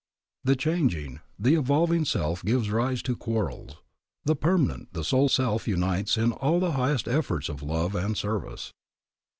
The changing, the evolving self gives rise to quarrels; the permanent, the soul self unites all in the highest efforts of love and service.